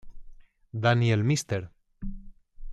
Daniel "Mr.